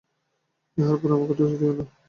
ইহার পরে আমাকে দোষ দিয়ো না।